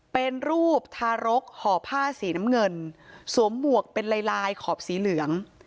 เป็นรูปทารกห่อผ้าสีน้ำเงินสวมหมวกเป็นลายลายขอบสีเหลือง